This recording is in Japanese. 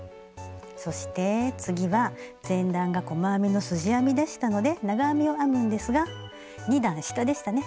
そして次は前段が細編みのすじ編みでしたので長編みを編むんですが２段下でしたね。